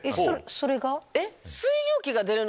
それが？